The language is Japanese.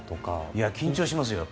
いや、緊張しますよ。